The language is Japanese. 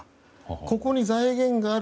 ここに財源がある。